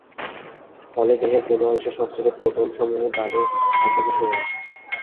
ফলে, দেহের কোনো অংশের সংশ্লিষ্ট প্রোটনসমূহ তাদের স্থান থেকে সরে আসে।